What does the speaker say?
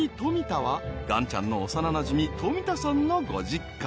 ［岩ちゃんの幼なじみ冨田さんのご実家］